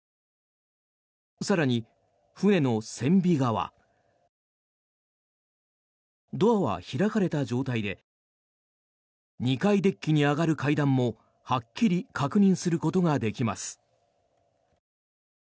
更に、船の船尾側ドアは開かれた状態で２階デッキに上がる階段もはっきり確認することができます。